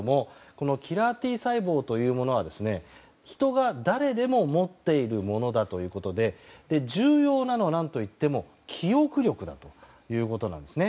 キラーＴ細胞というものは人が、誰でも持っているものだということで重要なのは何といっても記憶力だということです。